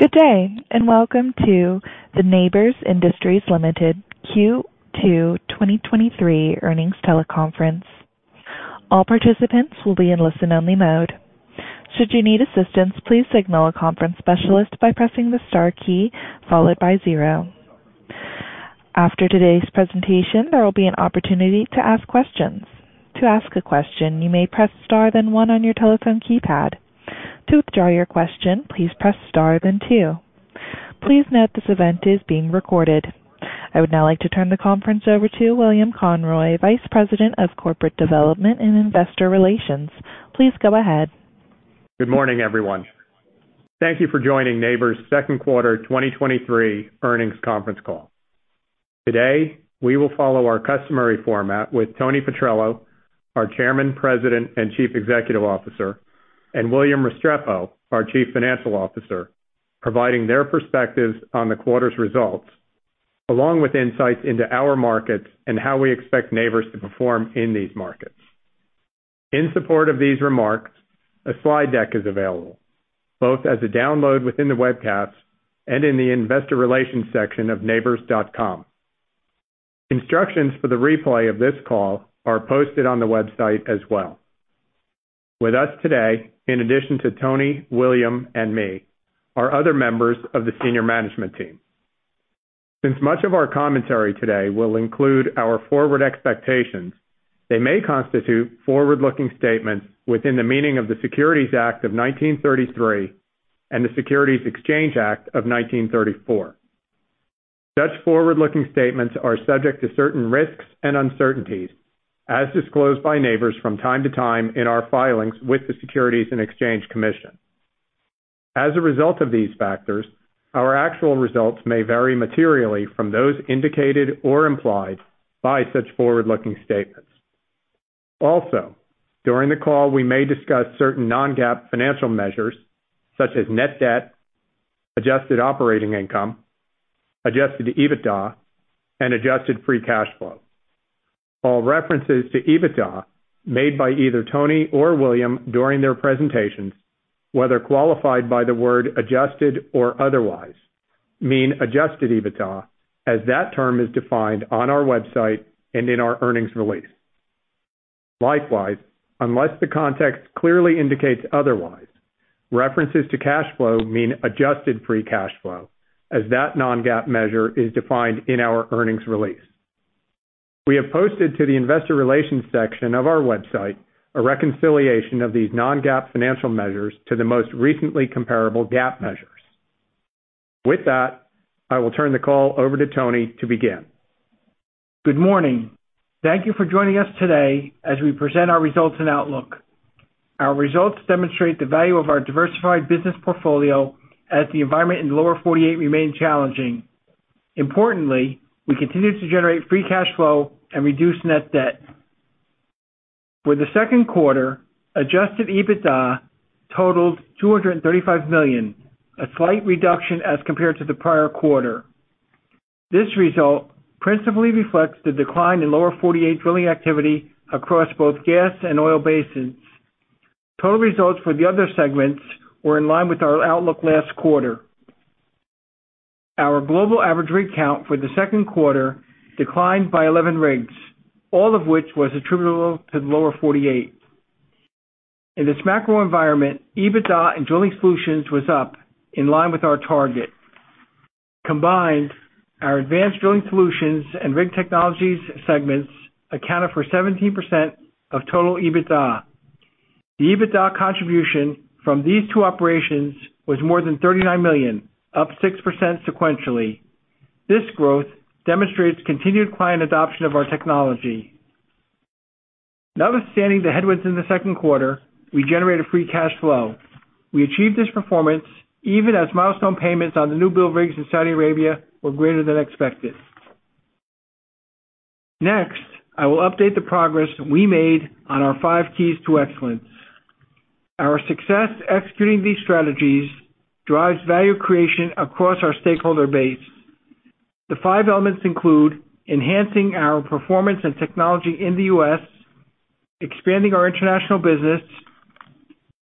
Good day. Welcome to the Nabors Industries Ltd Q2 2023 earnings teleconference. All participants will be in listen-only mode. Should you need assistance, please signal a conference specialist by pressing the star key followed by zero. After today's presentation, there will be an opportunity to ask questions. To ask a question, you may press Star then one on your telephone keypad. To withdraw your question, please press Star then two. Please note this event is being recorded. I would now like to turn the conference over to William Conroy, Vice President of Corporate Development and Investor Relations. Please go ahead. Good morning, everyone. Thank you for joining Nabors' 2Q 2023 earnings conference call. Today, we will follow our customary format with Tony Petrello, our Chairman, President, and Chief Executive Officer, and William Restrepo, our Chief Financial Officer, providing their perspectives on the quarter's results, along with insights into our markets and how we expect Nabors to perform in these markets. In support of these remarks, a slide deck is available, both as a download within the webcast and in the investor relations section of nabors.com. Instructions for the replay of this call are posted on the website as well. With us today, in addition to Tony, William, and me, are other members of the Senior Management Team. Since much of our commentary today will include our forward expectations, they may constitute forward-looking statements within the meaning of the Securities Act of 1933 and the Securities Exchange Act of 1934. Such forward-looking statements are subject to certain risks and uncertainties, as disclosed by Nabors from time to time in our filings with the Securities and Exchange Commission. As a result of these factors, our actual results may vary materially from those indicated or implied by such forward-looking statements. Also, during the call, we may discuss certain non-GAAP financial measures, such as net debt, adjusted operating income, adjusted EBITDA, and adjusted free cash flow. All references to EBITDA made by either Tony or William during their presentations, whether qualified by the word adjusted or otherwise, mean adjusted EBITDA, as that term is defined on our website and in our earnings release. Likewise, unless the context clearly indicates otherwise, references to cash flow mean adjusted free cash flow, as that non-GAAP measure is defined in our earnings release. We have posted to the investor relations section of our website a reconciliation of these non-GAAP financial measures to the most recently comparable GAAP measures. With that, I will turn the call over to Tony to begin. Good morning. Thank you for joining us today as we present our results and outlook. Our results demonstrate the value of our diversified business portfolio as the environment in the Lower 48 remains challenging. Importantly, we continue to generate free cash flow and reduce net debt. For the Q2, adjusted EBITDA totaled $235 million, a slight reduction as compared to the prior quarter. This result principally reflects the decline in Lower 48 drilling activity across both gas and oil basins. Total results for the other segments were in line with our outlook last quarter. Our global average rig count for the Q2 declined by 11 rigs, all of which was attributable to the Lower 48. In this macro environment, EBITDA and Drilling Solutions was up, in line with our target. Combined, our Drilling Solutions and Rig Technologies segments accounted for 17% of total EBITDA. The EBITDA contribution from these two operations was more than $39 million, up 6% sequentially. This growth demonstrates continued client adoption of our technology. Notwithstanding the headwinds in the Q2, we generated free cash flow. We achieved this performance even as milestone payments on the new build rigs in Saudi Arabia were greater than expected. Next, I will update the progress we made on our five keys to excellence. Our success executing these strategies drives value creation across our stakeholder base. The five elements include: enhancing our performance and technology in the U.S., expanding our international business,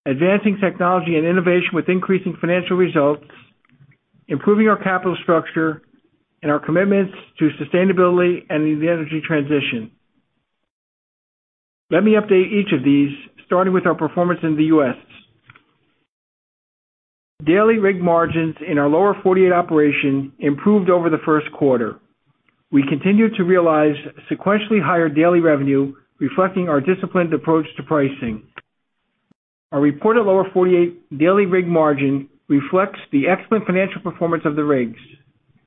advancing technology and innovation with increasing financial results, improving our capital structure, and our commitments to sustainability and the energy transition. Let me update each of these, starting with our performance in the U.S. Daily rig margins in our Lower 48 operation improved over the Q1. We continued to realize sequentially higher daily revenue, reflecting our disciplined approach to pricing. Our reported Lower 48 daily rig margin reflects the excellent financial performance of the rigs.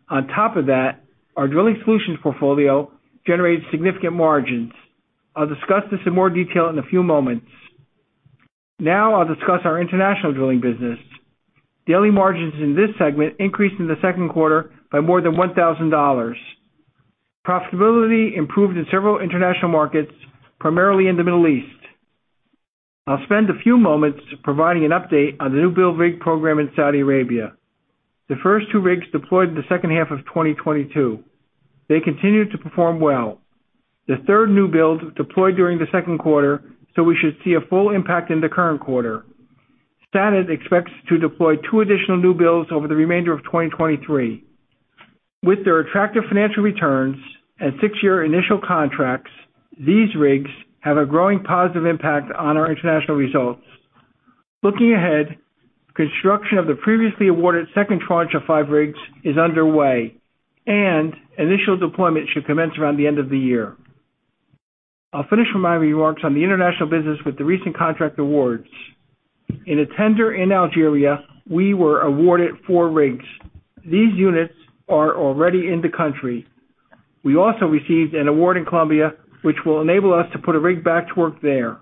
On top of that, our Drilling Solutions portfolio generated significant margins. I'll discuss this in more detail in a few moments. I'll discuss our international drilling business. Daily margins in this segment increased in the Q2 by more than $1,000. Profitability improved in several international markets, primarily in the Middle East. I'll spend a few moments providing an update on the new build rig program in Saudi Arabia. The first 2 rigs deployed in the H2 of 2022. They continued to perform well. The third new build deployed during the Q2, so we should see a full impact in the current quarter. SANAD expects to deploy 2 additional new builds over the remainder of 2023. With their attractive financial returns and six-year initial contracts, these rigs have a growing positive impact on our international results. Looking ahead, construction of the previously awarded second tranche of 5 rigs is underway, and initial deployment should commence around the end of the year. I'll finish my remarks on the international business with the recent contract awards. In a tender in Algeria, we were awarded 4 rigs. These units are already in the country. We also received an award in Colombia, which will enable us to put a rig back to work there.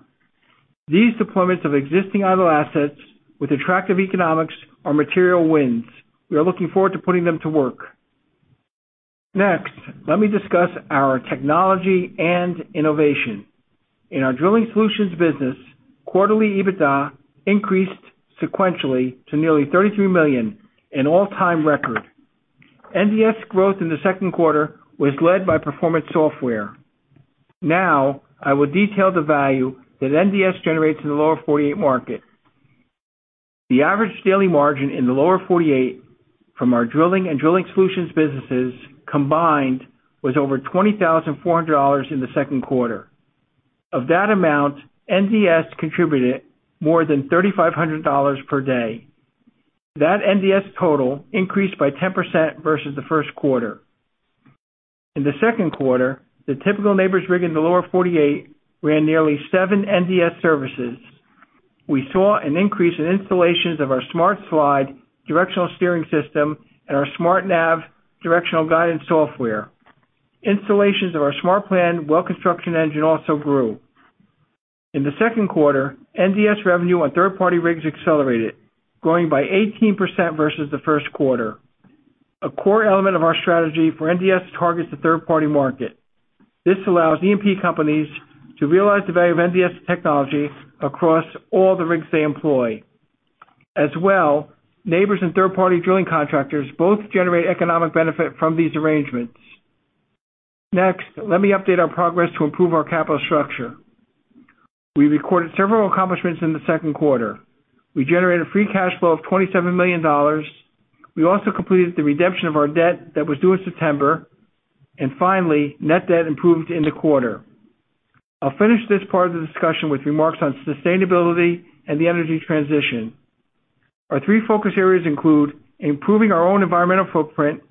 These deployments of existing idle assets with attractive economics are material wins. We are looking forward to putting them to work. Let me discuss our technology and innovation. In our Drilling Solutions business, quarterly EBITDA increased sequentially to nearly $33 million, an all-time record. NDS growth in the Q2 was led by performance software. I will detail the value that NDS generates in the Lower 48 market. The average daily margin in the Lower 48 from our drilling and Drilling Solutions businesses combined was over $20,400 in the Q2. Of that amount, NDS contributed more than $3,500 per day. That NDS total increased by 10% versus the Q1. In the Q2, the typical Nabors rig in the Lower 48 ran nearly seven NDS services. We saw an increase in installations of our SmartSLIDE directional steering system and our SmartNAV directional guidance software. Installations of our SmartPLAN well construction engine also grew. In the Q2, NDS revenue on third-party rigs accelerated, growing by 18% versus the Q1. A core element of our strategy for NDS targets the third-party market. This allows E&P companies to realize the value of NDS technology across all the rigs they employ. As well, Nabors and third-party drilling contractors both generate economic benefit from these arrangements. Next, let me update our progress to improve our capital structure. We recorded several accomplishments in the Q2. We generated free cash flow of $27 million. We also completed the redemption of our debt that was due in September. Finally, net debt improved in the quarter. I'll finish this part of the discussion with remarks on sustainability and the energy transition. Our three focus areas include improving our own environmental footprint,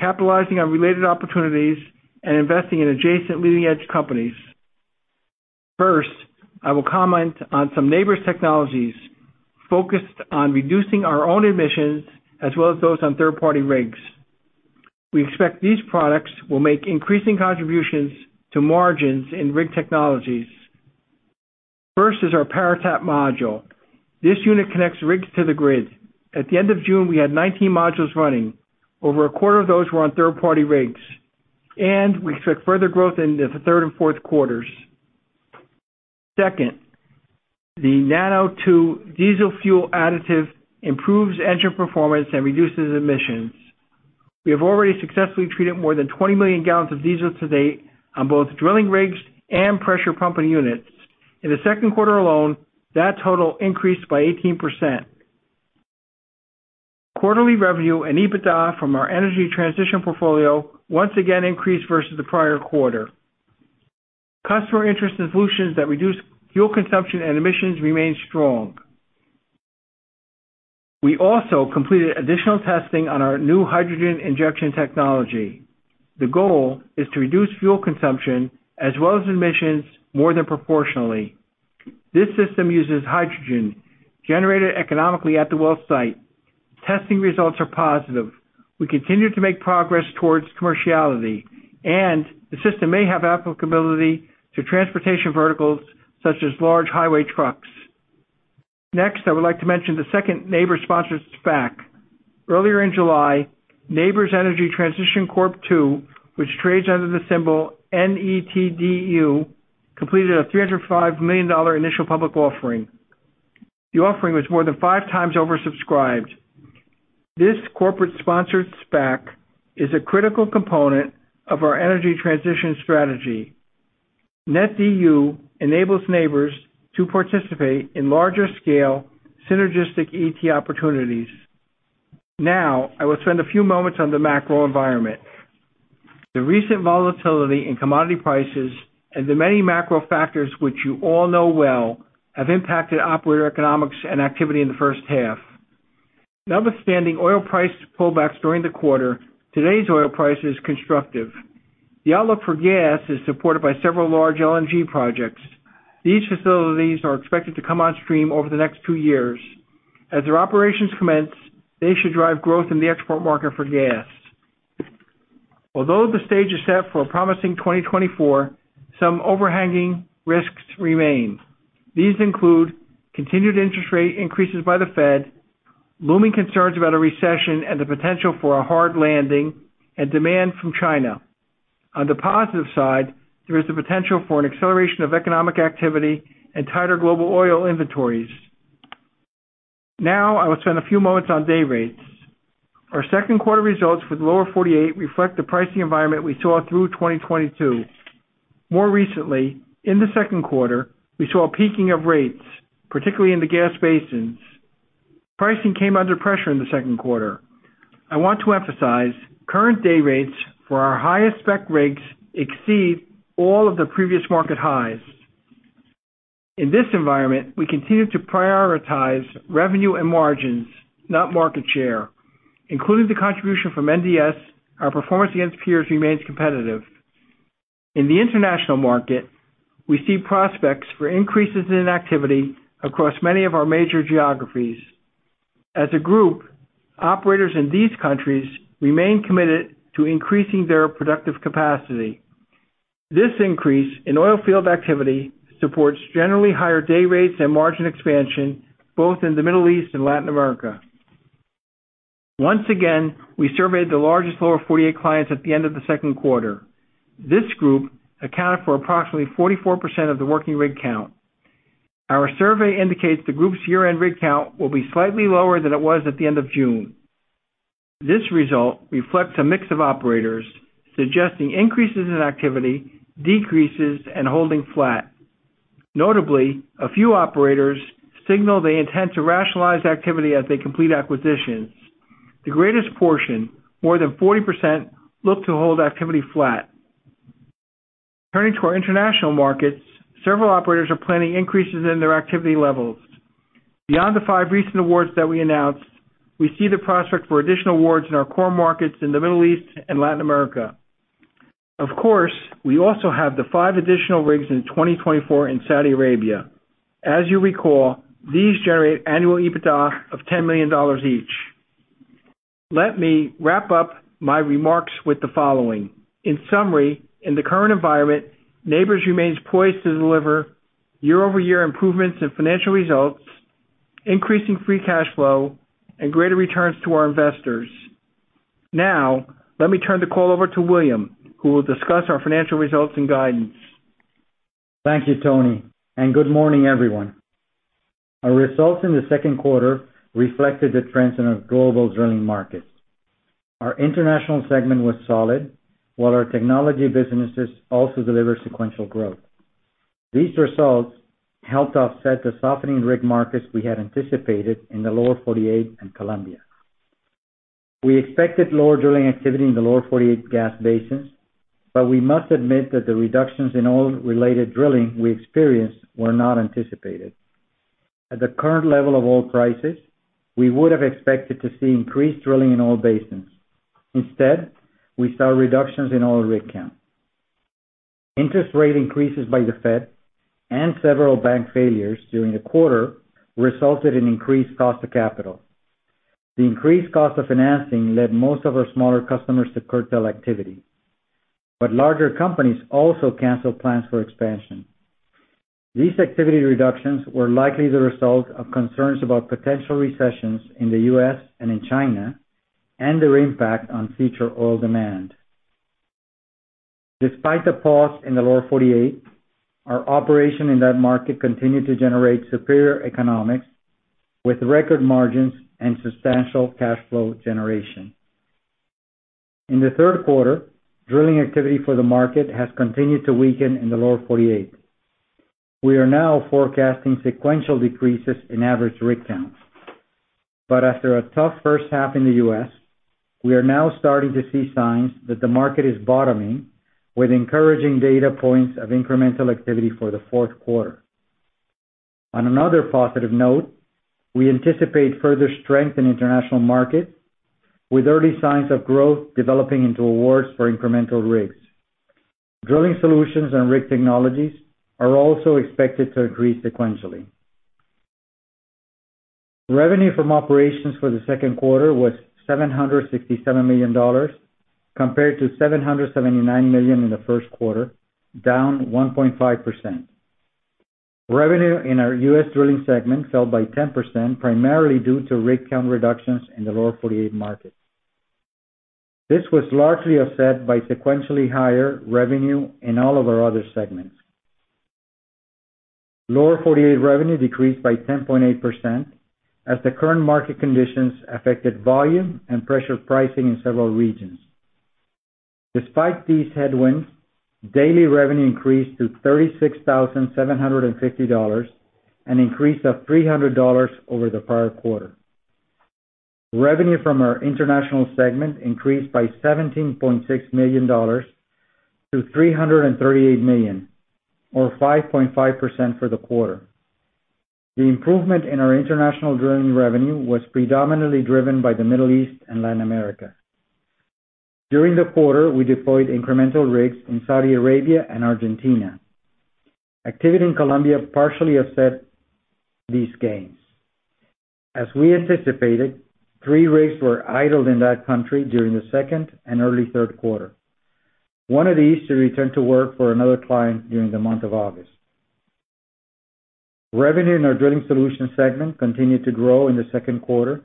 capitalizing on related opportunities, and investing in adjacent leading-edge companies. First, I will comment on some Nabors technologies focused on reducing our own emissions, as well as those on third-party rigs. We expect these products will make increasing contributions to margins in Rig Technologies. First is our PowerTAP module. This unit connects rigs to the grid. At the end of June, we had 19 modules running. Over a quarter of those were on third-party rigs, and we expect further growth in the Q3 and Q4s. Second, the nanO2 diesel fuel additive improves engine performance and reduces emissions. We have already successfully treated more than 20 million gallons of diesel to date on both drilling rigs and pressure pumping units. In the Q2 alone, that total increased by 18%. Quarterly revenue and EBITDA from our energy transition portfolio once again increased versus the prior quarter. Customer interest in solutions that reduce fuel consumption and emissions remains strong. We also completed additional testing on our new Hydrogen Injection Technology. The goal is to reduce fuel consumption as well as emissions more than proportionally. This system uses hydrogen, generated economically at the well site. Testing results are positive. We continue to make progress towards commerciality, and the system may have applicability to transportation verticals such as large highway trucks. Next, I would like to mention the second Nabors sponsored SPAC. Earlier in July, Nabors Energy Transition Corp. II, which trades under the symbol NETD, completed a $305 million initial public offering. The offering was more than 5 times oversubscribed. This corporate-sponsored SPAC is a critical component of our energy transition strategy. NETD enables Nabors to participate in larger-scale, synergistic ET opportunities. Now, I will spend a few moments on the macro environment. The recent volatility in commodity prices and the many macro factors which you all know well, have impacted operator economics and activity in the first half. Notwithstanding oil price pullbacks during the quarter, today's oil price is constructive. The outlook for gas is supported by several large LNG projects. These facilities are expected to come on stream over the next 2 years. As their operations commence, they should drive growth in the export market for gas. Although the stage is set for a promising 2024, some overhanging risks remain. These include continued interest rate increases by the Fed, looming concerns about a recession and the potential for a hard landing, and demand from China. On the positive side, there is the potential for an acceleration of economic activity and tighter global oil inventories. I will spend a few moments on day rates. Our Q2 results for the Lower 48 reflect the pricing environment we saw through 2022. More recently, in the Q2, we saw a peaking of rates, particularly in the gas basins. Pricing came under pressure in the Q2. I want to emphasize, current day rates for our highest spec rigs exceed all of the previous market highs. In this environment, we continue to prioritize revenue and margins, not market share. Including the contribution from NDS, our performance against peers remains competitive. In the international market, we see prospects for increases in activity across many of our major geographies. As a group, operators in these countries remain committed to increasing their productive capacity. This increase in oil field activity supports generally higher day rates and margin expansion, both in the Middle East and Latin America. Once again, we surveyed the largest Lower 48 clients at the end of the Q2. This group accounted for approximately 44% of the working rig count. Our survey indicates the group's year-end rig count will be slightly lower than it was at the end of June. This result reflects a mix of operators, suggesting increases in activity, decreases, and holding flat. Notably, a few operators signal they intend to rationalize activity as they complete acquisitions. The greatest portion, more than 40%, look to hold activity flat. Turning to our international markets, several operators are planning increases in their activity levels. Beyond the five recent awards that we announced, we see the prospect for additional awards in our core markets in the Middle East and Latin America. Of course, we also have the five additional rigs in 2024 in Saudi Arabia. As you recall, these generate annual EBITDA of $10 million each. Let me wrap up my remarks with the following. In summary, in the current environment, Nabors remains poised to deliver year-over-year improvements in financial results, increasing free cash flow, and greater returns to our investors. Let me turn the call over to William, who will discuss our financial results and guidance. Thank you, Tony. Good morning, everyone. Our results in the Q2 reflected the trends in our global drilling markets. Our international segment was solid, while our technology businesses also delivered sequential growth. These results helped offset the softening rig markets we had anticipated in the Lower 48 and Colombia. We expected lower drilling activity in the Lower 48 gas basins, but we must admit that the reductions in oil-related drilling we experienced were not anticipated. At the current level of oil prices, we would have expected to see increased drilling in oil basins. Instead, we saw reductions in oil rig count. Interest rate increases by the Fed and several bank failures during the quarter resulted in increased cost of capital. The increased cost of financing led most of our smaller customers to curtail activity, but larger companies also canceled plans for expansion. These activity reductions were likely the result of concerns about potential recessions in the U.S. and in China, and their impact on future oil demand. Despite the pause in the Lower 48, our operation in that market continued to generate superior economics with record margins and substantial cash flow generation. In the Q3, drilling activity for the market has continued to weaken in the Lower 48. We are now forecasting sequential decreases in average rig counts. After a tough first half in the U.S., we are now starting to see signs that the market is bottoming, with encouraging data points of incremental activity for the Q4. On another positive note, we anticipate further strength in international markets, with early signs of growth developing into awards for incremental rigs. Drilling Solutions and Rig Technologies are also expected to increase sequentially. Revenue from operations for the Q2 was $767 million, compared to $779 million in the Q1, down 1.5%. Revenue in our U.S. drilling segment fell by 10%, primarily due to rig count reductions in the Lower 48 market. This was largely offset by sequentially higher revenue in all of our other segments. Lower 48 revenue decreased by 10.8%, as the current market conditions affected volume and pressure pricing in several regions. Despite these headwinds, daily revenue increased to $36,750, an increase of $300 over the prior quarter. Revenue from our international segment increased by $17.6 million to $338 million, or 5.5% for the quarter. The improvement in our international drilling revenue was predominantly driven by the Middle East and Latin America. During the quarter, we deployed incremental rigs in Saudi Arabia and Argentina. Activity in Colombia partially offset these gains. As we anticipated, three rigs were idled in that country during the Q2 and early Q3. One of these returned to work for another client during the month of August. Revenue in our Drilling Solutions segment continued to grow in the Q2,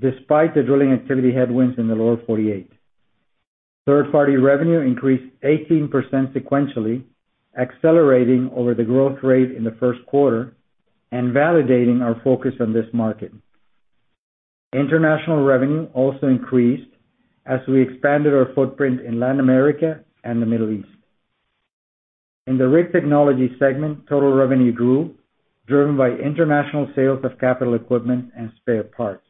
despite the drilling activity headwinds in the Lower 48. Third party revenue increased 18% sequentially, accelerating over the growth rate in the Q1 and validating our focus on this market. International revenue also increased as we expanded our footprint in Latin America and the Middle East. In the Rig Technologies segment, total revenue grew, driven by international sales of capital equipment and spare parts.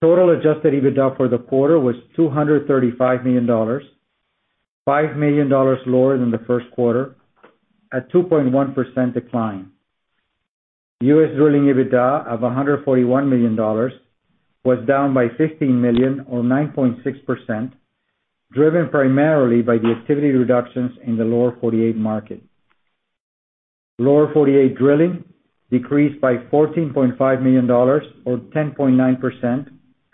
Total adjusted EBITDA for the quarter was $235 million, $5 million lower than the Q1, a 2.1% decline. U.S. drilling EBITDA of $141 million was down by $15 million, or 9.6%, driven primarily by the activity reductions in the Lower 48 market. Lower 48 drilling decreased by $14.5 million, or 10.9%,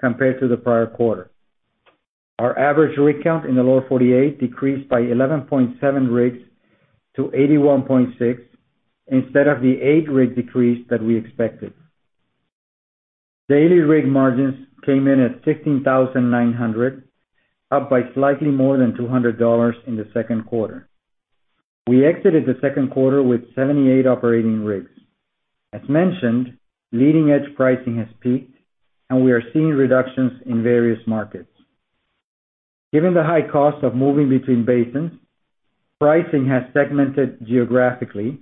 compared to the prior quarter. Our average rig count in the Lower 48 decreased by 11.7 rigs to 81.6, instead of the eight rig decrease that we expected. Daily rig margins came in at 16,900, up by slightly more than $200 in the Q2. We exited the Q2 with 78 operating rigs. As mentioned, leading-edge pricing has peaked, and we are seeing reductions in various markets. Given the high cost of moving between basins, pricing has segmented geographically,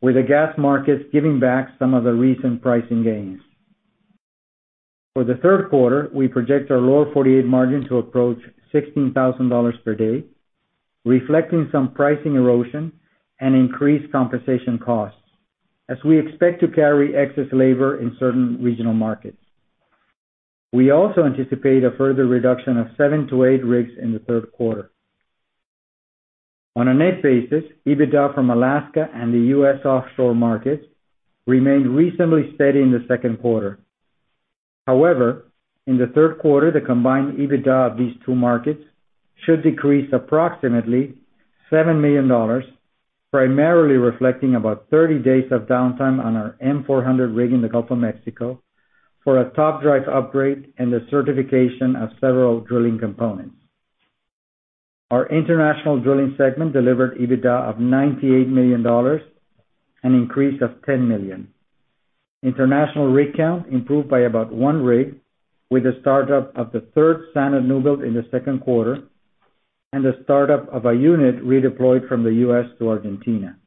with the gas markets giving back some of the recent pricing gains. For the Q3, we project our Lower 48 margin to approach $16,000 per day, reflecting some pricing erosion and increased compensation costs, as we expect to carry excess labor in certain regional markets. We also anticipate a further reduction of 7-8 rigs in the Q3. On a net basis, EBITDA from Alaska and the U.S. offshore markets remained reasonably steady in the Q2. In the Q3, the combined EBITDA of these two markets should decrease approximately $7 million, primarily reflecting about 30 days of downtime on our M400 rig in the Gulf of Mexico for a top drive upgrade and the certification of several drilling components. Our International Drilling segment delivered EBITDA of $98 million, an increase of $10 million. International rig count improved by about 1 rig, with the startup of the third SANAD newbuild in the Q2 and the startup of a unit redeployed from the U.S. to Argentina.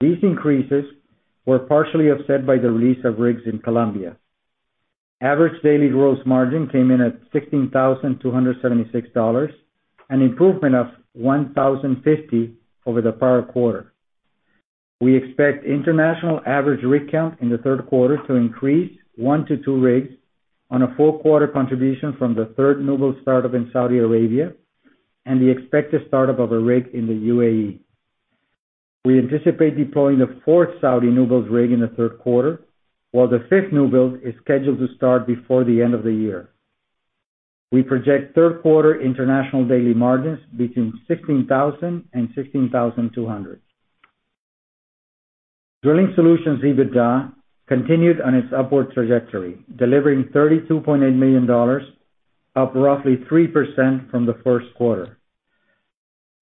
These increases were partially offset by the release of rigs in Colombia. Average daily gross margin came in at $16,276, an improvement of $1,050 over the prior quarter. We expect international average rig count in the Q3 to increase 1-2 rigs on a full quarter contribution from the third newbuild startup in Saudi Arabia and the expected startup of a rig in the UAE. We anticipate deploying the fourth Saudi newbuild rig in the Q3, while the fifth newbuild is scheduled to start before the end of the year. We project Q3 international daily margins between $16,000 and $16,200. Drilling Solutions EBITDA continued on its upward trajectory, delivering $32.8 million, up roughly 3% from the Q1.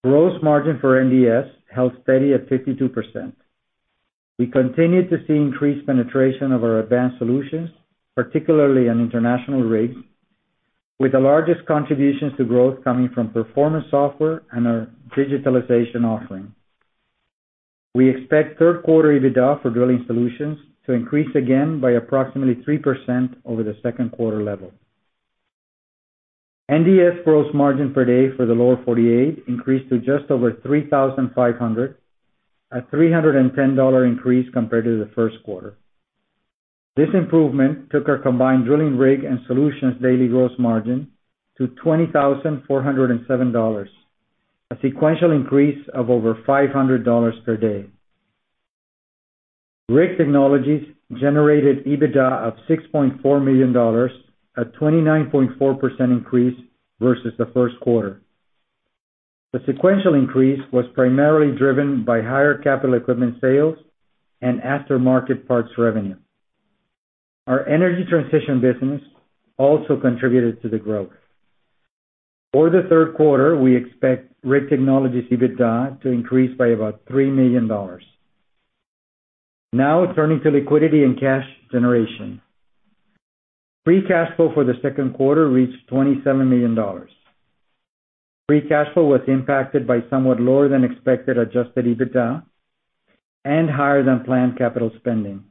Gross margin for NDS held steady at 52%. We continued to see increased penetration of our advanced solutions, particularly on international rigs, with the largest contributions to growth coming from performance software and our digitalization offerings. We expect Q3 EBITDA for Drilling Solutions to increase again by approximately 3% over the Q2 level. NDS gross margin per day for the Lower 48 increased to just over $3,500, a $310 increase compared to the Q1. This improvement took our combined drilling rig and solutions daily gross margin to $20,407, a sequential increase of over $500 per day. Rig Technologies generated EBITDA of $6.4 million, a 29.4% increase versus the Q1. The sequential increase was primarily driven by higher capital equipment sales and aftermarket parts revenue. Our energy transition business also contributed to the growth. For the Q3, we expect Rig Technologies EBITDA to increase by about $3 million. Turning to liquidity and cash generation. Free cash flow for the Q2 reached $27 million. Free cash flow was impacted by somewhat lower than expected adjusted EBITDA and higher than planned capital spending.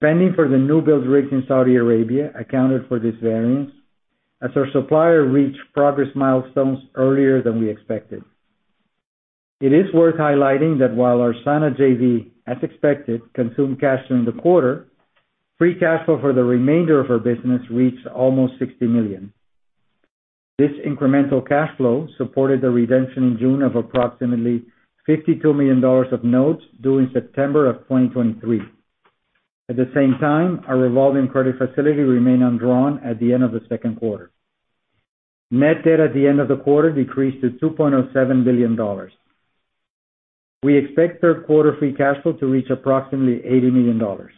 Spending for the newbuild rigs in Saudi Arabia accounted for this variance, as our supplier reached progress milestones earlier than we expected. It is worth highlighting that while our SANAD JV, as expected, consumed cash during the quarter, free cash flow for the remainder of our business reached almost $60 million. This incremental cash flow supported the redemption in June of approximately $52 million of notes due in September of 2023. At the same time, our revolving credit facility remained undrawn at the end of the Q2. Net debt at the end of the quarter decreased to $2.07 billion. We expect Q3 free cash flow to reach approximately $80 million.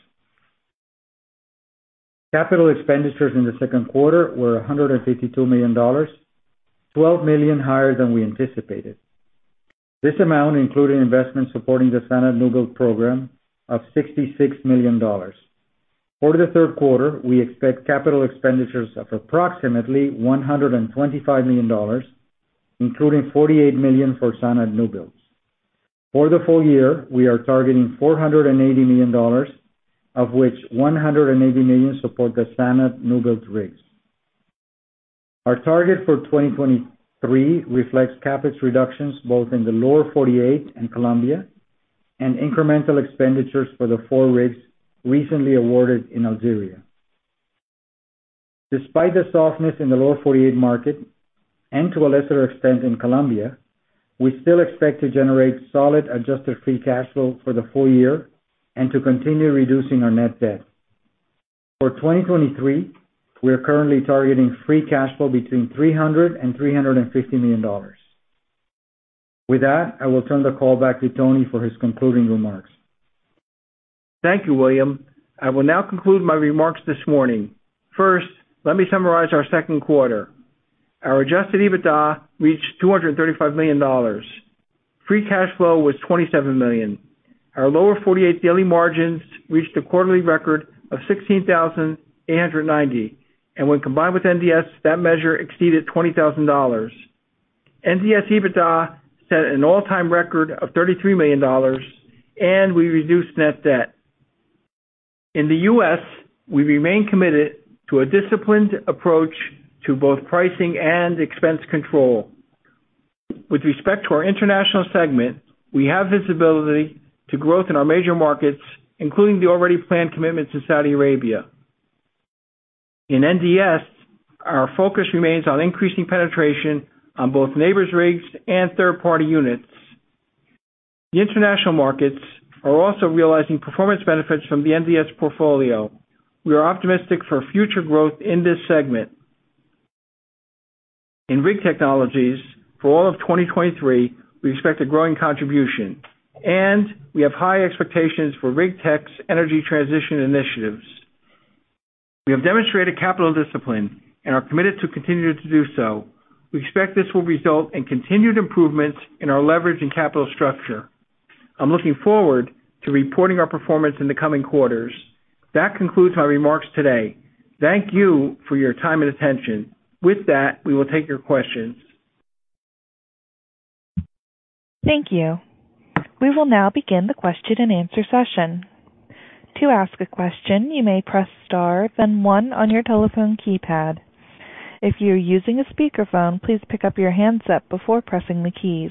Capital expenditures in the Q2 were $152 million, $12 million higher than we anticipated. This amount included investments supporting the SANAD newbuild program of $66 million. For the Q3, we expect capital expenditures of approximately $125 million, including $48 million for SANAD newbuilds. For the full year, we are targeting $480 million, of which $180 million support the SANAD newbuild rigs. Our target for 2023 reflects CapEx reductions both in the Lower 48 and Colombia, and incremental expenditures for the four rigs recently awarded in Algeria. Despite the softness in the Lower 48 market, and to a lesser extent in Colombia, we still expect to generate solid adjusted free cash flow for the full year and to continue reducing our net debt. For 2023, we are currently targeting free cash flow between $300 million and $350 million. With that, I will turn the call back to Tony for his concluding remarks. Thank you, William. I will now conclude my remarks this morning. First, let me summarize our Q2. Our adjusted EBITDA reached $235 million. Free cash flow was $27 million. Our Lower 48 daily margins reached a quarterly record of 16,890, and when combined with NDS, that measure exceeded $20,000. NDS EBITDA set an all-time record of $33 million, and we reduced net debt. In the U.S., we remain committed to a disciplined approach to both pricing and expense control. With respect to our international segment, we have visibility to growth in our major markets, including the already planned commitment to Saudi Arabia. In NDS, our focus remains on increasing penetration on both Nabors rigs and third-party units. The international markets are also realizing performance benefits from the NDS portfolio. We are optimistic for future growth in this segment. In Rig Technologies, for all of 2023, we expect a growing contribution. We have high expectations for RigTech's energy transition initiatives. We have demonstrated capital discipline and are committed to continuing to do so. We expect this will result in continued improvements in our leverage and capital structure. I'm looking forward to reporting our performance in the coming quarters. That concludes my remarks today. Thank you for your time and attention. With that, we will take your questions. Thank you. We will now begin the question and answer session. To ask a question, you may press star, then one on your telephone keypad. If you're using a speakerphone, please pick up your handset before pressing the keys.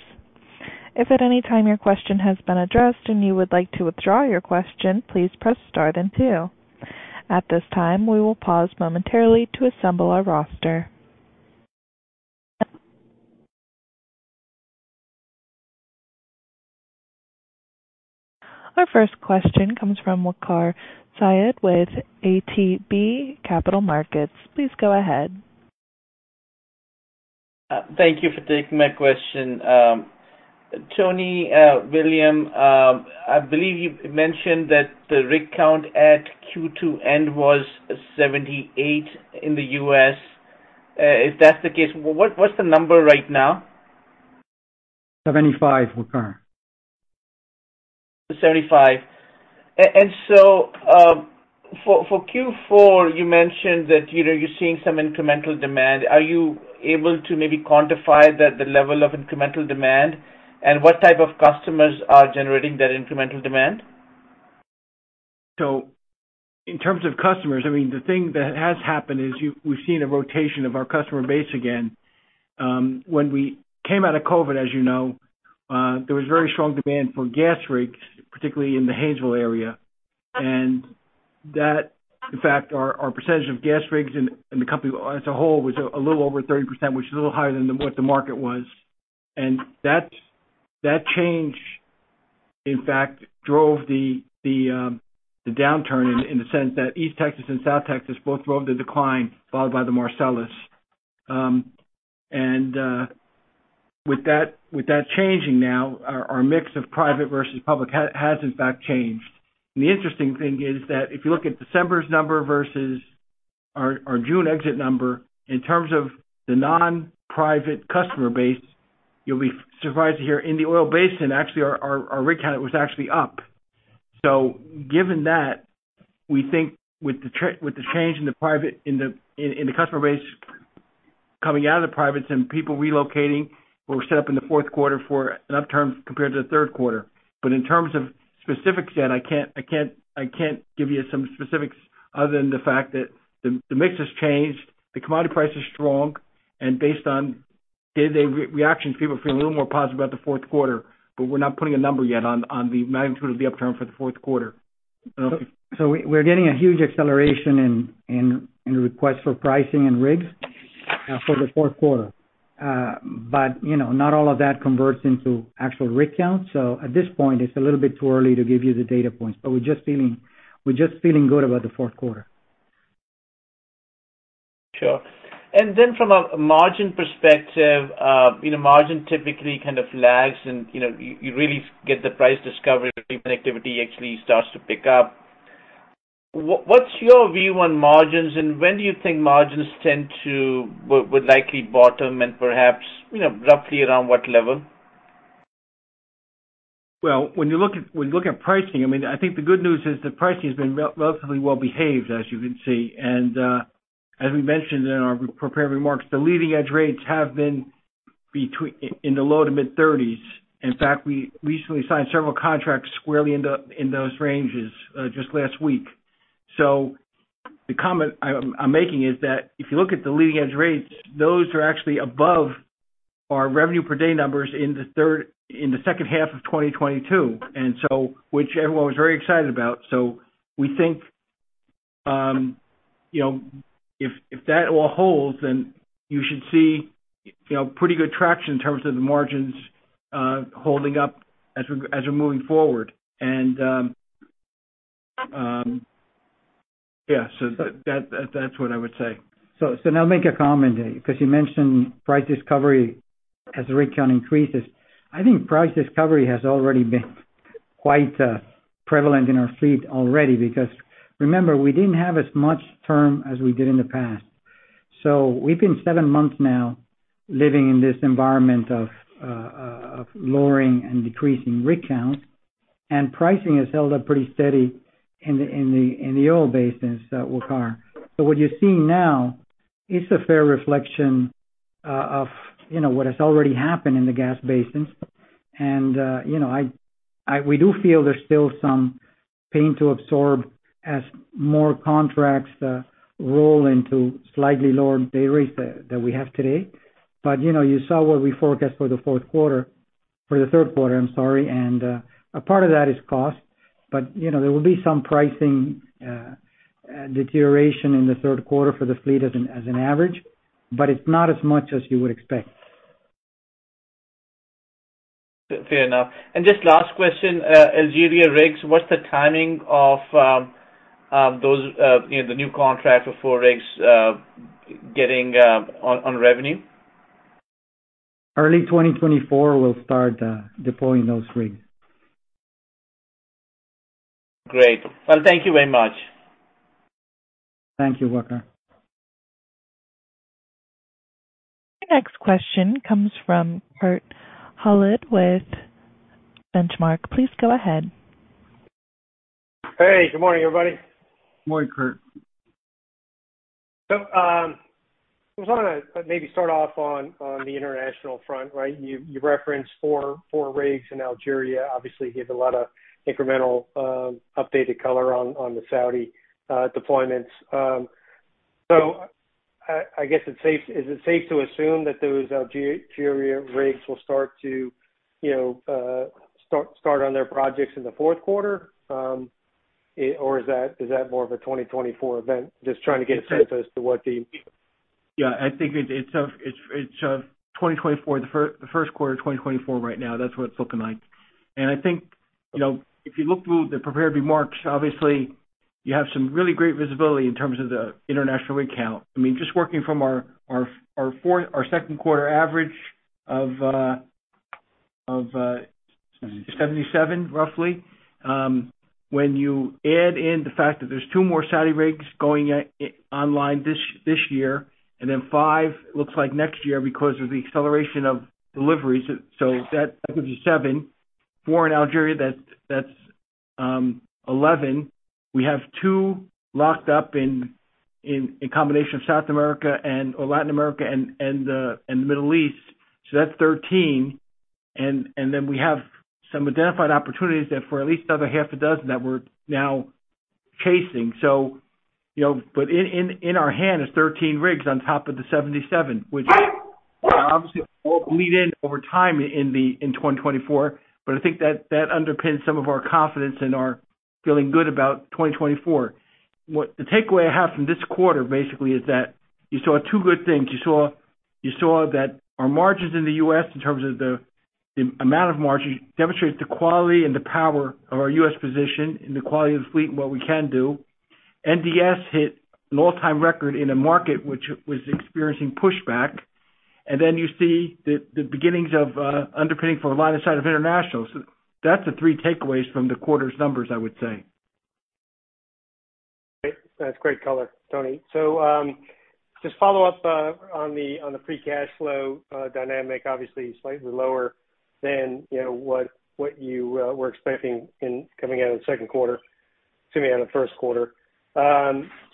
If at any time your question has been addressed and you would like to withdraw your question, please press star then two. At this time, we will pause momentarily to assemble our roster. Our first question comes from Waqar Syed with ATB Capital Markets. Please go ahead. Thank you for taking my question. Tony, William, I believe you mentioned that the rig count at Q2 end was 78 in the U.S.. If that's the case, what's the number right now? 75, Waqar. 75. For Q4, you mentioned that, you know, you're seeing some incremental demand. Are you able to maybe quantify the level of incremental demand? What type of customers are generating that incremental demand? In terms of customers, I mean, the thing that has happened is we've seen a rotation of our customer base again. When we came out of COVID, as you know, there was very strong demand for gas rigs, particularly in the Haynesville area. That, in fact, our percentage of gas rigs in the company as a whole, was a little over 30%, which is a little higher than what the market was. That, that change, in fact, drove the downturn in the sense that East Texas and South Texas both drove the decline, followed by the Marcellus. With that, with that changing now, our mix of private versus public has, in fact, changed. The interesting thing is that if you look at December's number versus our June exit number, in terms of the non-private customer base, you'll be surprised to hear in the oil basin, actually, our rig count was actually up. Given that, we think with the change in the private, in the customer base coming out of the privates and people relocating, we're set up in the Q4 for an upturn compared to the Q3. In terms of specifics, yet I can't give you some specifics other than the fact that the mix has changed, the commodity price is strong, and based on day-to-day re-reaction, people are feeling a little more positive about the Q4, but we're not putting a number yet on the magnitude of the upturn for the Q4. We're getting a huge acceleration in requests for pricing and rigs for the Q4. But, you know, not all of that converts into actual rig counts. At this point, it's a little bit too early to give you the data points, but we're just feeling good about the Q4. Sure. Then from a margin perspective, you know, margin typically kind of lags and, you know, you really get the price discovery when activity actually starts to pick up. What's your view on margins, and when do you think margins tend to, would likely bottom and perhaps, you know, roughly around what level? Well, when you look at pricing, I mean, I think the good news is that pricing has been relatively well behaved, as you can see. As we mentioned in our prepared remarks, the leading edge rates have been between, in the low to mid 30s. In fact, we recently signed several contracts squarely in the ranges just last week. The comment I'm making is that if you look at the leading edge rates, those are actually above our revenue per day numbers in the H2 of 2022, which everyone was very excited about. We think, you know, if that all holds, then you should see, you know, pretty good traction in terms of the margins holding up as we're moving forward. Yeah, so that's what I would say. Now make a comment, because you mentioned price discovery as the rig count increases. I think price discovery has already been quite prevalent in our fleet already, because remember, we didn't have as much term as we did in the past. We've been seven months now living in this environment of lowering and decreasing rig count, and pricing has held up pretty steady in the oil basins that we're car. What you're seeing now is a fair reflection of, you know, what has already happened in the gas basins. You know, I we do feel there's still some pain to absorb as more contracts roll into slightly lower day rates that we have today. you know, you saw what we forecast for the Q3, I'm sorry, and a part of that is cost. you know, there will be some pricing deterioration in the Q3 for the fleet as an average, but it's not as much as you would expect. Fair enough. Just last question, Algeria rigs, what's the timing of, you know, the new contracts for 4 rigs getting on revenue? Early 2024, we'll start deploying those rigs. Great. Well, thank you very much. Thank you, Waqar. Your next question comes from Kurt Hallead with Benchmark. Please go ahead. Hey, good morning, everybody. Good morning, Kurt. I just wanna maybe start off on the international front, right? You referenced four rigs in Algeria. Obviously, you gave a lot of incremental updated color on the Saudi deployments. I guess is it safe to assume that those Algeria rigs will start to, you know, start on their projects in the Q4? Or is that more of a 2024 event? Just trying to get a sense as to what. Yeah, I think it's 2024, the Q1 of 2024 right now, that's what it's looking like. I think, you know, if you look through the prepared remarks, obviously you have some really great visibility in terms of the international rig count. I mean, just working from our Q2 average of 77, roughly. When you add in the fact that there's 2 more Saudi rigs going online this year, 5 looks like 2025 because of the acceleration of deliveries, that gives you 7. 4 in Algeria, that's 11. We have 2 locked up in combination of South America and, or Latin America and the Middle East, that's 13. Then we have some identified opportunities that for at least another half a dozen that we're now chasing. You know, but in our hand, it's 13 rigs on top of the 77, which obviously won't bleed in over time in 2024, but I think that underpins some of our confidence and our feeling good about 2024. The takeaway I have from this quarter, basically, is that you saw 2 good things. You saw that our margins in the U.S., in terms of the amount of margins, demonstrates the quality and the power of our U.S. position and the quality of the fleet and what we can do. NDS hit an all-time record in a market which was experiencing pushback, and then you see the beginnings of underpinning for a line of sight of international. That's the 3 takeaways from the quarter's numbers, I would say. Great. That's great color, Tony. Just follow up on the free cash flow dynamic, obviously slightly lower than, you know, what you were expecting in coming out of the Q1.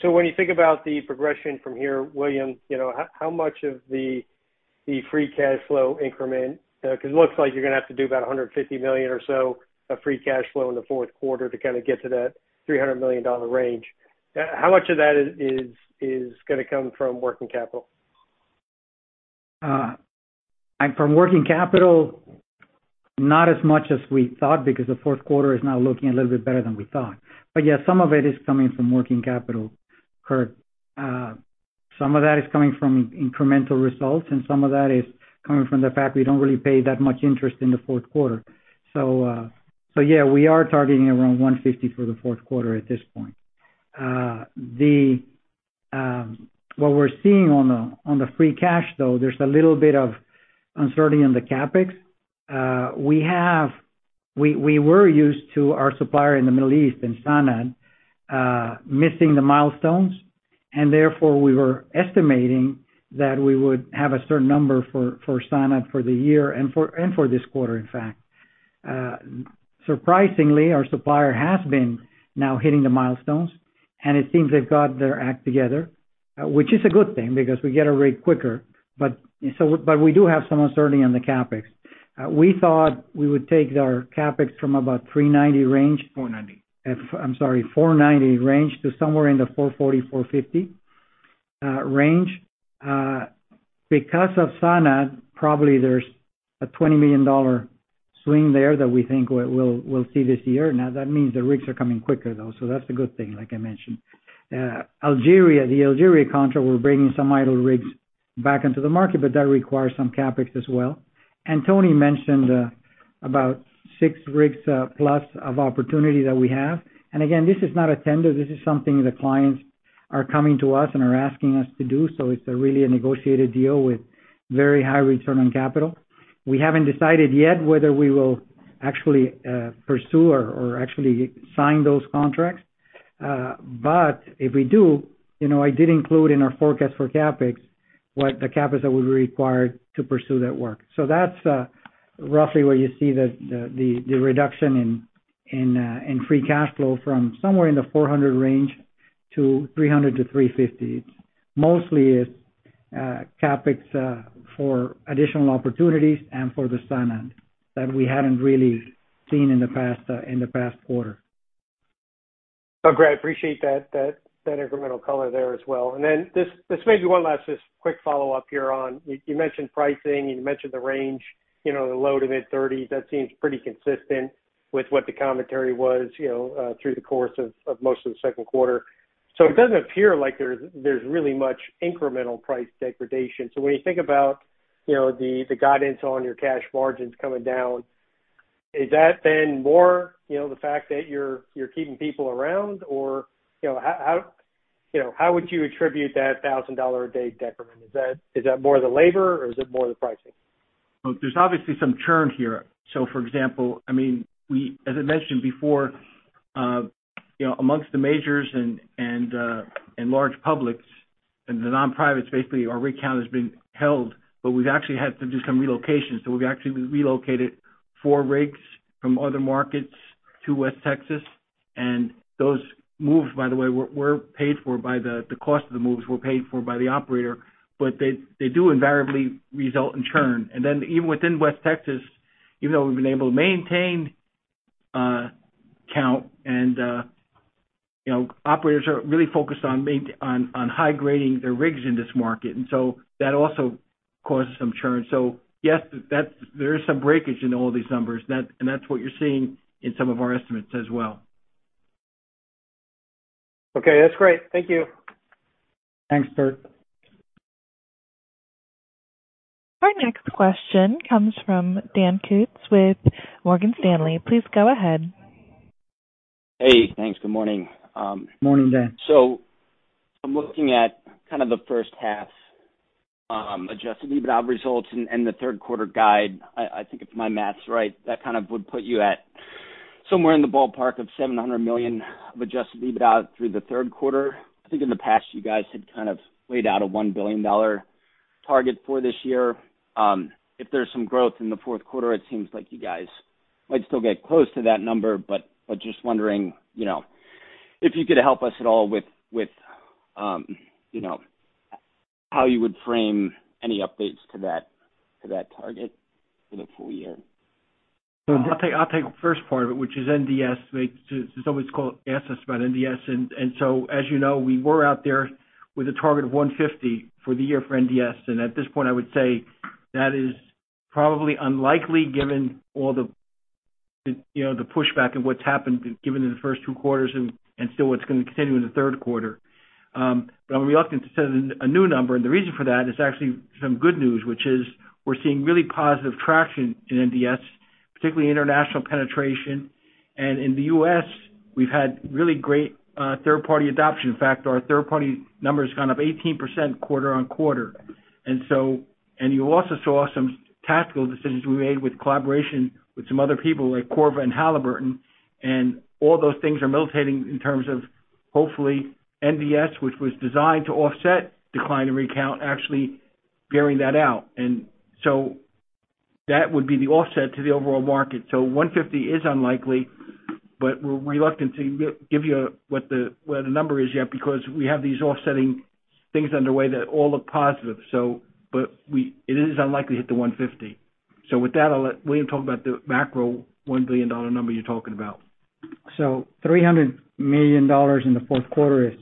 When you think about the progression from here, William, you know, how much of the free cash flow increment, because it looks like you're gonna have to do about $150 million or so of free cash flow in the Q4 to kind of get to that $300 million range. How much of that is gonna come from working capital? From working capital, not as much as we thought, because the Q4 is now looking a little bit better than we thought. Yeah, some of it is coming from working capital, Kurt. Some of that is coming from incremental results, and some of that is coming from the fact we don't really pay that much interest in the Q4. Yeah, we are targeting around 150 for the Q4 at this point. What we're seeing on the free cash, though, there's a little bit of uncertainty on the CapEx. We were used to our supplier in the Middle East, in SANAD, missing the milestones, and therefore, we were estimating that we would have a certain number for SANAD for the year and for this quarter, in fact. Surprisingly, our supplier has been now hitting the milestones, and it seems they've got their act together, which is a good thing because we get a rig quicker. We do have some uncertainty on the CapEx. We thought we would take our CapEx from about 390 range. $490. I'm sorry, 490 range to somewhere in the 440, 450 range. Because of SANAD, probably there's a $20 million swing there that we think we'll see this year. That means the rigs are coming quicker, though, so that's a good thing, like I mentioned. Algeria, the Algeria contract, we're bringing some idle rigs back into the market, but that requires some CapEx as well. Tony mentioned, about 6 rigs, plus of opportunity that we have. Again, this is not a tender. This is something the clients are coming to us and are asking us to do, so it's a really a negotiated deal with very high return on capital. We haven't decided yet whether we will actually, pursue or actually sign those contracts. If we do, you know, I did include in our forecast for CapEx, what the CapEx that would be required to pursue that work. That's, roughly where you see the reduction in free cash flow from somewhere in the $400 range to $300-$350. Mostly it's CapEx for additional opportunities and for the SANAD that we haven't really seen in the past, in the past quarter. Oh, great. I appreciate that incremental color there as well. Then just maybe one last, just quick follow-up here on. You mentioned pricing, you mentioned the range, you know, the low to mid thirties. That seems pretty consistent with what the commentary was, you know, through the course of most of the Q2. It doesn't appear like there's really much incremental price degradation. When you think about, you know, the guidance on your cash margins coming down, is that then more, you know, the fact that you're keeping people around? Or, you know, how, you know, how would you attribute that $1,000 a day decrement? Is that more the labor or is it more the pricing? Well, there's obviously some churn here. For example, I mean, we, as I mentioned before, you know, amongst the majors and large publics and the nonprivates, basically, our rig count has been held, but we've actually had to do some relocations. We've actually relocated 4 rigs from other markets to West Texas, and those moves, by the way, were paid for by the cost of the moves were paid for by the operator, but they do invariably result in churn. Even within West Texas, even though we've been able to maintain count and, you know, operators are really focused on high-grading their rigs in this market, that also causes some churn. Yes, there is some breakage in all these numbers. That's what you're seeing in some of our estimates as well. Okay, that's great. Thank you. Thanks, Kurt. Our next question comes from Dan Kutz with Morgan Stanley. Please go ahead. Hey, thanks. Good morning. Morning, Dan. I'm looking at kind of the H1, adjusted EBITDA results and the Q3 guide. I think if my math's right, that kind of would put you at somewhere in the ballpark of $700 million of adjusted EBITDA through the Q3. I think in the past, you guys had kind of laid out a $1 billion target for this year. If there's some growth in the Q4, it seems like you guys might still get close to that number. Just wondering, you know, if you could help us at all with, you know, how you would frame any updates to that target for the full year? I'll take the first part of it, which is NDS. Someone's asked us about NDS. As you know, we were out there with a target of 150 for the year for NDS, and at this point, I would say that is probably unlikely, given all the, you know, the pushback and what's happened given in the first 2 quarters and still what's gonna continue in the Q3. But I'm reluctant to set a new number, and the reason for that is actually some good news, which is we're seeing really positive traction in NDS, particularly international penetration. In the U.S., we've had really great third-party adoption. In fact, our third-party number is gone up 18% quarter-on-quarter. You also saw some tactical decisions we made with collaboration with some other people like Corva and Halliburton, and all those things are militating in terms of, hopefully, NDS, which was designed to offset decline in rig count, actually bearing that out. That would be the offset to the overall market. 150 is unlikely, but we're reluctant to give you what the, where the number is yet, because we have these offsetting things underway that all look positive. It is unlikely to hit the 150. With that, I'll let William talk about the macro $1 billion number you're talking about. $300 million in the Q4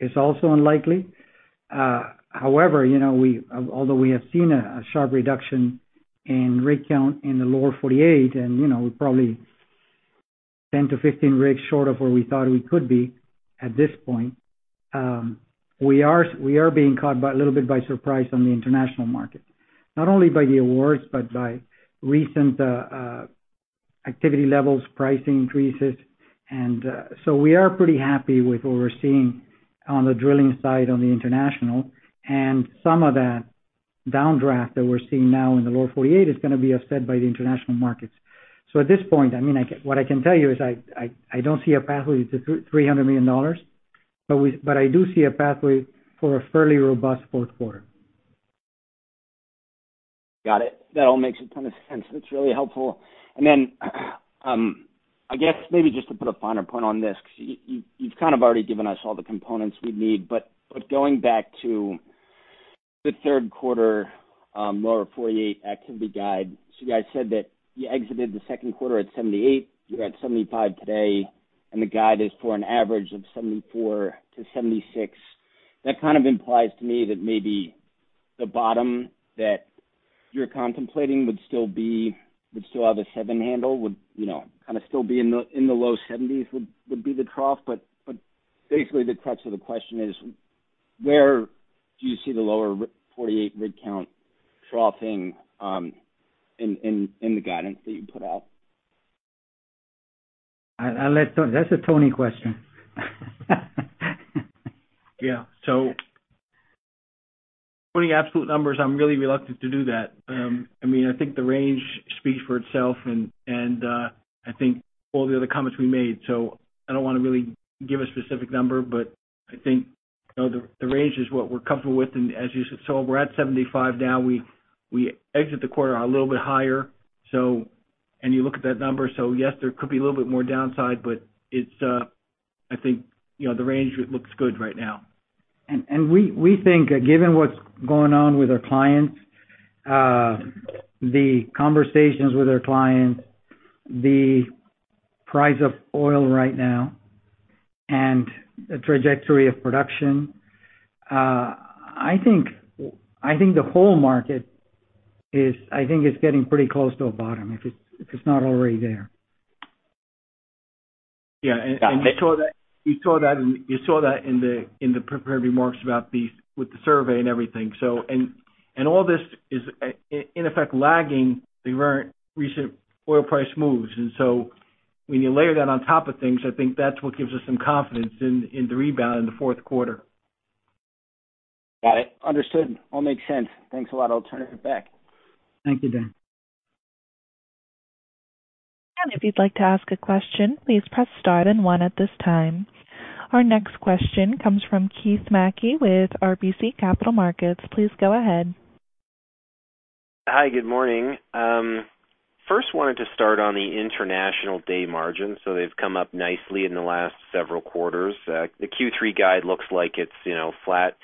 is also unlikely. However, you know, although we have seen a sharp reduction in rig count in the Lower 48, and, you know, 10-15 rigs short of where we thought we could be at this point. We are being caught by a little bit by surprise on the international market, not only by the awards, but by recent activity levels, pricing increases. We are pretty happy with what we're seeing on the drilling side, on the international. Some of that downdraft that we're seeing now in the Lower 48 is gonna be offset by the international markets. At this point, I mean, what I can tell you is I don't see a pathway to $300 million, but I do see a pathway for a fairly robust Q4. Got it. That all makes a ton of sense. That's really helpful. I guess maybe just to put a finer point on this, 'cause you've kind of already given us all the components we'd need. Going back to the Q3, Lower 48 activity guide. You guys said that you exited the Q2 at 78, you're at 75 today, and the guide is for an average of 74-76. That kind of implies to me that maybe the bottom that you're contemplating would still have a 7 handle, you know, kind of still be in the low 70s, would be the trough. Basically, the crux of the question is: Where do you see the Lower 48 rig count troughing in the guidance that you put out? I'll let Tony... That's a Tony question. Yeah. Putting absolute numbers, I'm really reluctant to do that. I mean, I think the range speaks for itself, and I think all the other comments we made, so I don't wanna really give a specific number, but I think, you know, the range is what we're comfortable with. As you saw, we're at 75 now. We exit the quarter a little bit higher, so. You look at that number, so yes, there could be a little bit more downside, but it's, I think, you know, the range looks good right now. We think, given what's going on with our clients, the conversations with our clients, the price of oil right now, and the trajectory of production, I think the whole market is getting pretty close to a bottom, if it's not already there. You saw that in the prepared remarks about the, with the survey and everything. All this is in effect, lagging the recent oil price moves. When you layer that on top of things, I think that's what gives us some confidence in the rebound in the Q4. Got it. Understood. All makes sense. Thanks a lot. I'll turn it back. Thank you, Dan. If you'd like to ask a question, please press star one at this time. Our next question comes from Keith Mackey with RBC Capital Markets. Please go ahead. Hi, good morning. First wanted to start on the international day margin. They've come up nicely in the last several quarters. The Q3 guide looks like it's, you know, flat,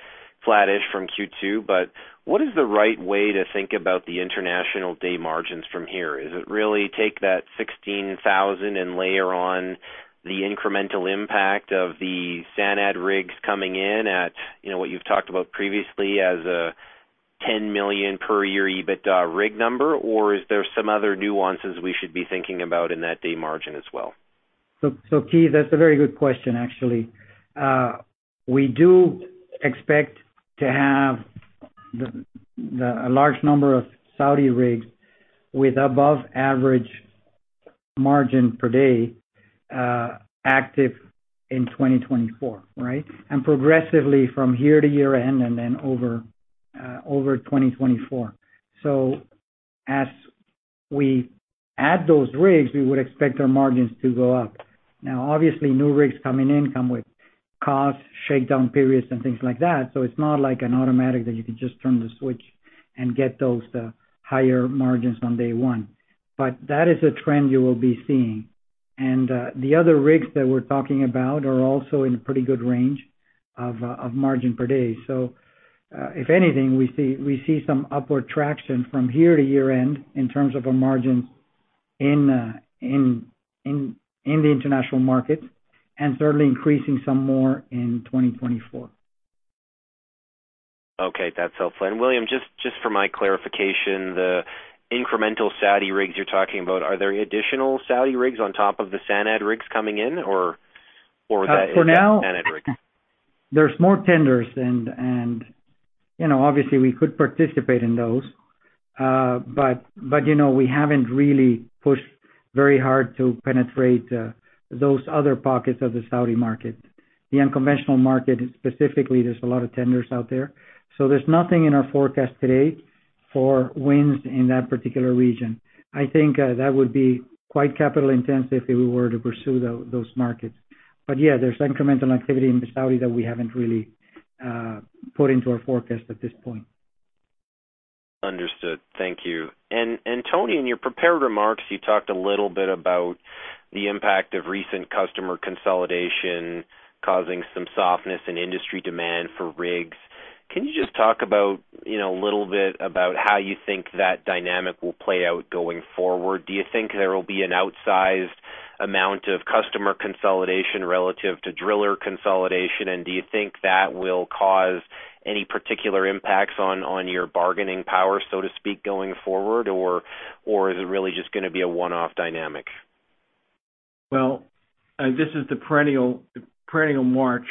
flattish from Q2. What is the right way to think about the international day margins from here? Is it really take that $16,000 and layer on the incremental impact of the SANAD rigs coming in at, you know, what you've talked about previously as a $10 million per year EBITDA rig number? Is there some other nuances we should be thinking about in that day margin as well? Keith, that's a very good question, actually. We do expect to have a large number of Saudi rigs with above average margin per day, active in 2024, right? Progressively, from year to year end and then over 2024. As we add those rigs, we would expect our margins to go up. Now, obviously, new rigs coming in come with costs, shake down periods, and things like that. It's not like an automatic, that you can just turn the switch and get those higher margins on day 1. That is a trend you will be seeing. The other rigs that we're talking about are also in a pretty good range of margin per day. If anything, we see some upward traction from year to year-end in terms of our margins in the international markets, and certainly increasing some more in 2024. Okay, that's helpful. William, just for my clarification, the incremental Saudi rigs you're talking about, are there additional Saudi rigs on top of the SANAD rigs coming in, or is that-? For now- SANAD rigs? There's more tenders and, you know, obviously, we could participate in those. You know, we haven't really pushed very hard to penetrate, those other pockets of the Saudi market. The unconventional market, specifically, there's a lot of tenders out there, so there's nothing in our forecast today for wins in that particular region. I think that would be quite capital intensive if we were to pursue those markets. Yeah, there's incremental activity in Saudi that we haven't really, put into our forecast at this point. Understood. Thank you. Tony, in your prepared remarks, you talked a little bit about the impact of recent customer consolidation causing some softness in industry demand for rigs. Can you just talk about, you know, a little bit about how you think that dynamic will play out going forward? Do you think there will be an outsized amount of customer consolidation relative to driller consolidation, and do you think that will cause any particular impacts on your bargaining power, so to speak, going forward? Or is it really just gonna be a one-off dynamic? Well, this is the perennial march.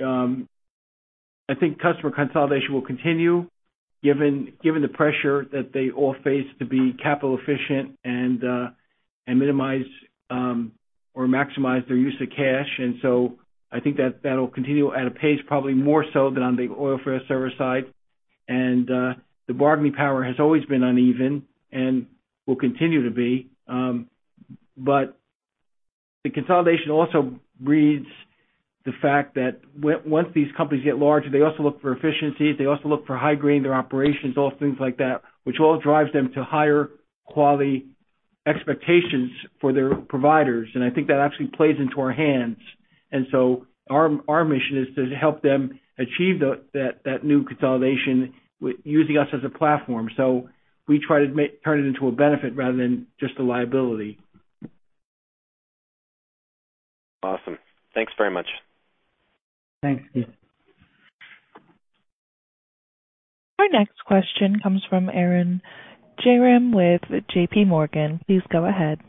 I think customer consolidation will continue, given the pressure that they all face to be capital efficient and minimize or maximize their use of cash. I think that'll continue at a pace, probably more so than on the oilfield service side. The bargaining power has always been uneven and will continue to be. The consolidation also breeds the fact that once these companies get larger, they also look for efficiencies. They also look for high grade their operations, all things like that, which all drives them to higher quality expectations for their providers. I think that actually plays into our hands. Our, our mission is to help them achieve that new consolidation using us as a platform. We try to turn it into a benefit rather than just a liability. Awesome. Thanks very much. Thanks, Steve. Our next question comes from Arun Jayaram with JPMorgan. Please go ahead.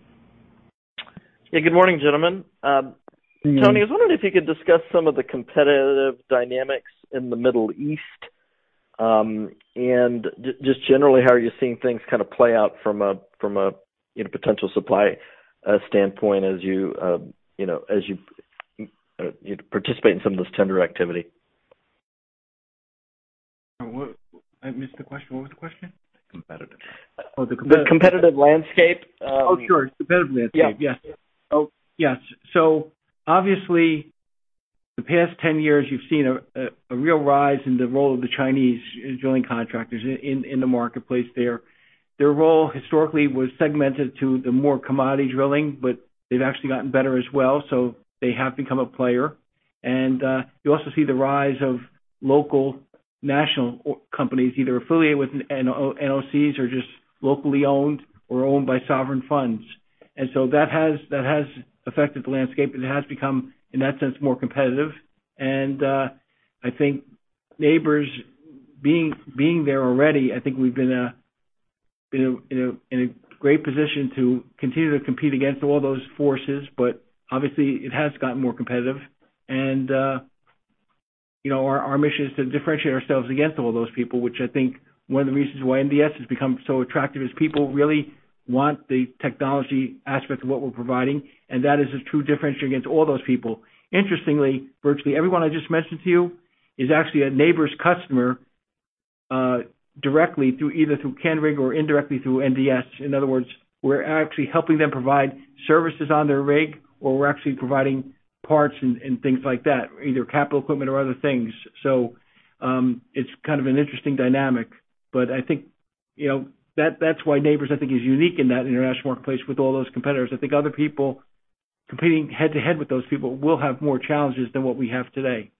Yeah, good morning, gentlemen. Mm-hmm. Tony, I was wondering if you could discuss some of the competitive dynamics in the Middle East, just generally, how are you seeing things kind of play out from a, you know, potential supply standpoint, as you participate in some of this tender activity? What? I missed the question. What was the question? Competitive. Oh. The competitive landscape. Oh, sure. The competitive landscape. Yeah. Yes. Oh, yes. Obviously, the past 10 years, you've seen a real rise in the role of the Chinese drilling contractors in the marketplace there. Their role historically was segmented to the more commodity drilling, but they've actually gotten better as well, so they have become a player. You also see the rise of local national companies, either affiliated with NOCs or just locally owned or owned by sovereign funds. That has affected the landscape, and it has become, in that sense, more competitive. I think Nabors being there already, I think we've been in a great position to continue to compete against all those forces. Obviously, it has gotten more competitive. You know, our mission is to differentiate ourselves against all those people, which I think one of the reasons why NDS has become so attractive, is people really want the technology aspect of what we're providing, and that is a true differentiator against all those people. Interestingly, virtually everyone I just mentioned to you is actually a Nabors customer, directly through either through Canrig or indirectly through NDS. In other words, we're actually helping them provide services on their rig, or we're actually providing parts and things like that, either capital equipment or other things. It's kind of an interesting dynamic, but I think, you know, that's why Nabors, I think, is unique in that international marketplace with all those competitors. I think other people competing head-to-head with those people will have more challenges than what we have today.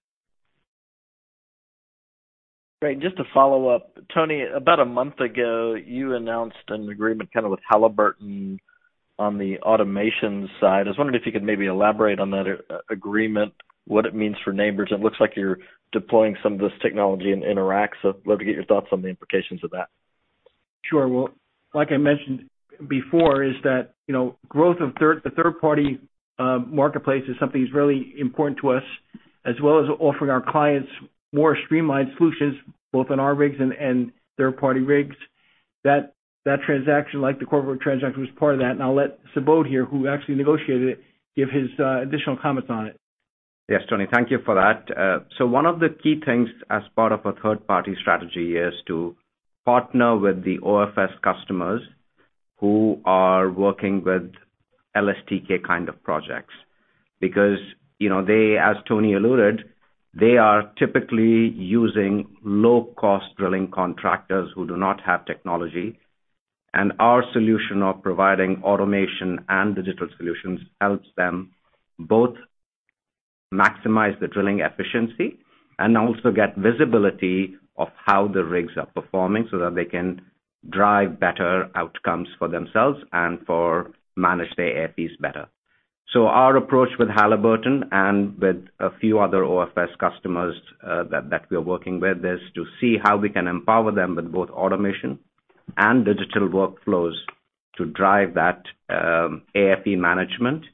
Great. Just to follow up, Tony, about a month ago, you announced an agreement kind of with Halliburton on the automation side. I was wondering if you could maybe elaborate on that agreement, what it means for Nabors. It looks like you're deploying some of this technology in Iraq, I'd love to get your thoughts on the implications of that. Sure. Well, like I mentioned before, is that, you know, growth of the third-party marketplace is something that's really important to us, as well as offering our clients more streamlined solutions, both on our rigs and third-party rigs. That transaction, like the corporate transaction, was part of that. I'll let Subodh here, who actually negotiated it, give his additional comments on it. Yes, Tony, thank you for that. One of the key things as part of our third-party strategy is to partner with the OFS customers who are working with LSTK kind of projects. You know, they, as Tony alluded, they are typically using low-cost drilling contractors who do not have technology, and our solution of providing automation and digital solutions helps them both maximize the drilling efficiency and also get visibility of how the rigs are performing, so that they can drive better outcomes for themselves and for manage their AFE better. Our approach with Halliburton and with a few other OFS customers, that we're working with, is to see how we can empower them with both automation and digital workflows to drive that AFE management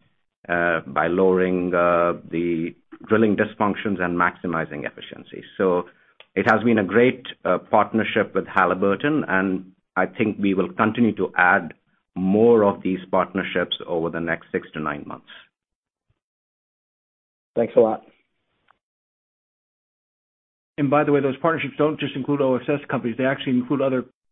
by lowering the drilling dysfunctions and maximizing efficiency. It has been a great partnership with Halliburton, and I think we will continue to add more of these partnerships over the next 6-9 months. Thanks a lot. By the way, those partnerships don't just include OFS companies. They actually include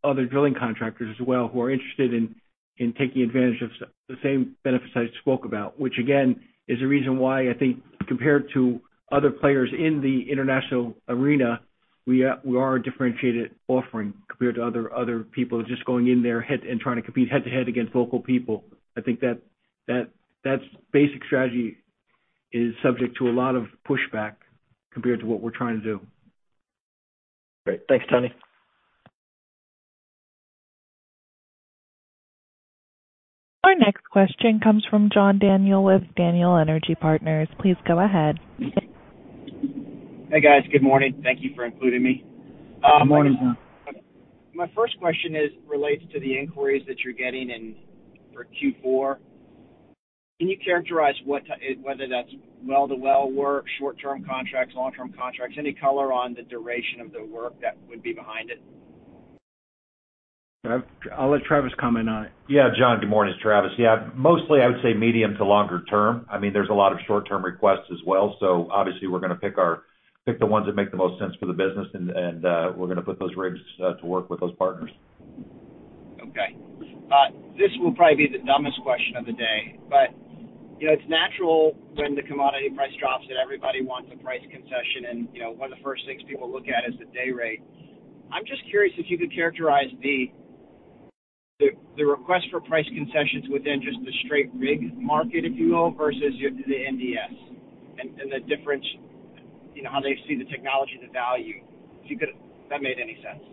other drilling contractors as well, who are interested in taking advantage of the same benefits I spoke about. Which again, is the reason why I think compared to other players in the international arena, we are a differentiated offering compared to other people just going in there head and trying to compete head to head against local people. I think that basic strategy is subject to a lot of pushback compared to what we're trying to do. Great. Thanks, Tony. Our next question comes from John Daniel with Daniel Energy Partners. Please go ahead. Hey, guys. Good morning. Thank you for including me. Good morning, John. My first question is related to the inquiries that you're getting in for Q4. Can you characterize what whether that's well-to-well work, short-term contracts, long-term contracts? Any color on the duration of the work that would be behind it? I'll let Travis comment on it. Yeah. John, good morning. It's Travis. Yeah, mostly, I would say medium to longer term. I mean, there's a lot of short-term requests as well. Obviously, we're gonna pick the ones that make the most sense for the business, and we're gonna put those rigs to work with those partners. Okay. This will probably be the dumbest question of the day, but, you know, it's natural when the commodity price drops that everybody wants a price concession. You know, one of the first things people look at is the day rate. I'm just curious if you could characterize the request for price concessions within just the straight rig market, if you will, versus your NDS and the difference, you know, how they see the technology, the value, if you could. If that made any sense.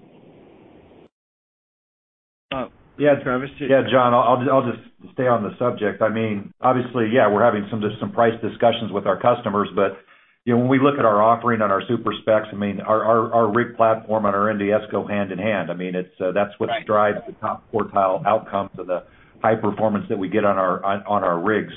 Yeah, Travis? Yeah, John, I'll just stay on the subject. I mean, obviously, yeah, we're having some, just some price discussions with our customers. You know, when we look at our offering on our super specs, I mean, our rig platform and our NDS go hand in hand. I mean, it's. Right. Drives the top quartile outcomes and the high performance that we get on our rigs.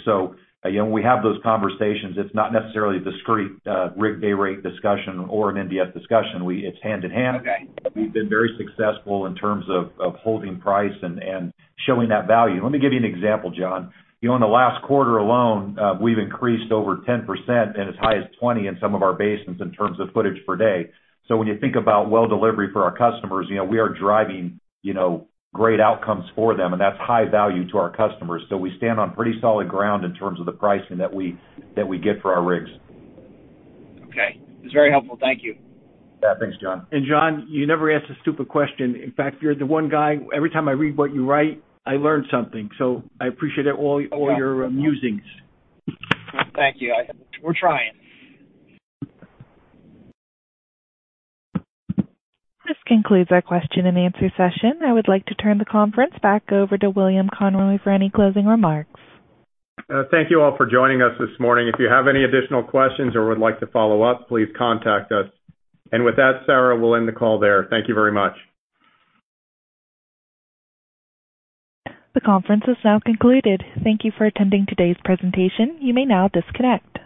You know, when we have those conversations, it's not necessarily a discrete rig dayrate discussion or an NDS discussion. It's hand in hand. Okay. We've been very successful in terms of holding price and showing that value. Let me give you an example, John. You know, in the last quarter alone, we've increased over 10% and as high as 20% in some of our basins in terms of footage per day. When you think about well delivery for our customers, you know, we are driving, you know, great outcomes for them, and that's high value to our customers. We stand on pretty solid ground in terms of the pricing that we get for our rigs. Okay. It's very helpful. Thank you. Yeah, thanks, John. John, you never asked a stupid question. In fact, you're the one guy, every time I read what you write, I learn something, so I appreciate it, all your musings. Thank you. We're trying. This concludes our question-and-answer session. I would like to turn the conference back over to William Conroy for any closing remarks. Thank you all for joining us this morning. If you have any additional questions or would like to follow up, please contact us. With that, Sarah, we'll end the call there. Thank you very much. The conference is now concluded. Thank you for attending today's presentation. You may now disconnect.